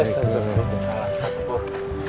waalaikumsalam ustadz sepuh